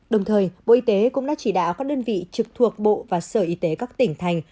đồng thời bộ y tế cũng đã chỉ đạo các đơn vị trực thuộc bộ và sở y tế các tỉnh thành